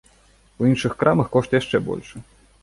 У іншых крамах кошт яшчэ большы.